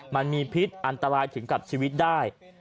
มันมีพิษอันตรายถึงกับชีวิตได้